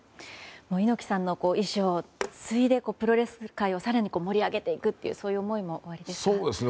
猪木さんの遺志を継いでプロレス界を、更に盛り上げていくという思いもおありですか？